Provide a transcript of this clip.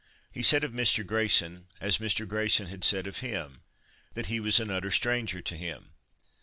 He said of Mr. Grayson, as Mr. Grayson had said of him, that he was an utter stranger to him.